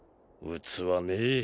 器ねえ